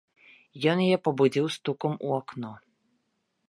Ён яе пабудзіў стукам у акно.